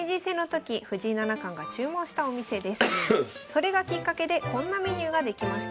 それがきっかけでこんなメニューが出来ました。